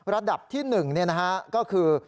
ระดับที่๑นะฮะก็คือ